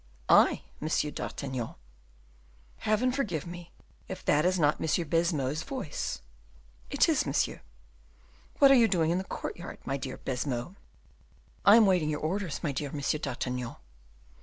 "I, Monsieur d'Artagnan." "Heaven forgive me, if that is not Monsieur Baisemeaux's voice." "It is, monsieur." "What are you doing in the courtyard, my dear Baisemeaux?" "I am waiting your orders, my dear Monsieur d'Artagnan."